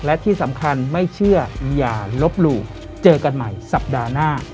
และที่สำคัญไม่เชื่ออย่าลบหลู่เจอกันใหม่สัปดาห์หน้า